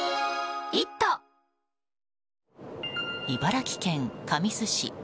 茨城県神栖市。